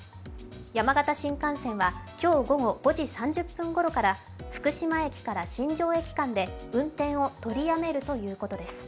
山形新幹線は今日午後５時３０分ごろから福島駅から新庄駅間で運転を取りやめるということです。